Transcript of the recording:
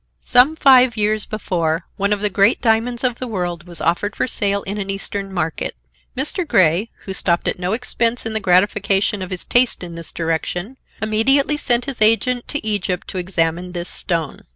Some five years before, one of the great diamonds of the world was offered for sale in an Eastern market. Mr. Grey, who stopped at no expense in the gratification of his taste in this direction, immediately sent his agent to Egypt to examine this stone.